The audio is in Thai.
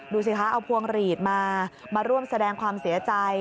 ดูสิคะเอาพวงหลีดมามาร่วมแสดงความเสียใจ